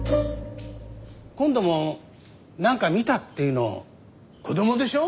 今度もなんか見たっていうの子供でしょ？